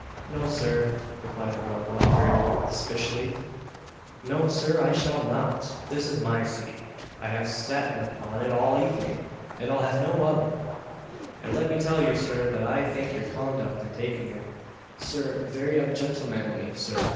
"No, Sir," replied the round one, very waspishly "no, Sir, I shall not! This is my seat I have satten upon it all the evening, and I'll have no other; and let me tell you, Sir, that I think your conduct in taking it, Sir, very ungentlemanly, Sir!"